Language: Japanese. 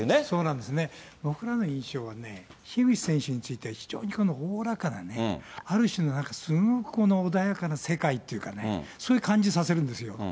そうなんですね、僕らの印象はね、樋口選手については、非常におおらかなね、ある種のなんか、すごくこの、穏やかな世界というかね、そういう感じさせるんですよ。